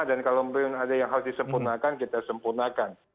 dan kalau memang ada yang harus disempurnakan kita sempurnakan